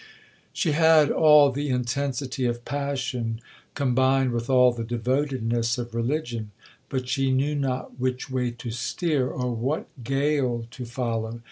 She had all the intensity of passion, combined with all the devotedness of religion; but she knew not which way to steer, or what gale to follow.